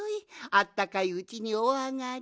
あったかいうちにおあがり。